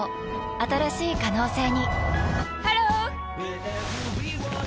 新しい可能性にハロー！